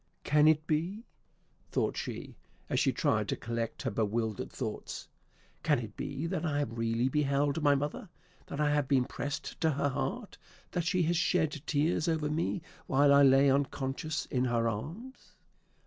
"Can it be," thought she, as she tried to collect her bewildered thoughts, "can it be that I have really beheld my mother, that I have been pressed to her heart, that she has shed tears over me while I lay unconscious in her arms?